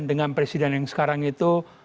dengan presiden yang sekarang itu